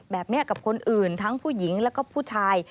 แบบนี้กับคนอื่นทั้งผู้หญิงแล้วก็ผู้ชาย